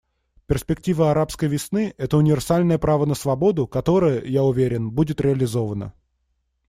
Перспектива «арабской весны» — это универсальное право на свободу, которое, я уверен, будет реализовано.